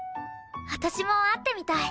私も会ってみたい。